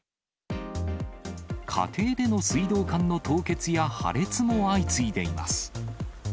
家庭での水道管の凍結や破裂も相次いでいます。